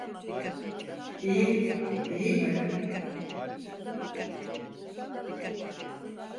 İyi, değil mi?